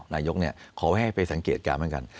นายกเนี่ยขอให้ไปสังเกตการเหมือนกัน